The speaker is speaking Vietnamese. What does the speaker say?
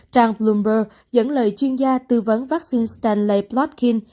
trang bloomberg dẫn lời chuyên gia tư vấn vaccine stanley plotkin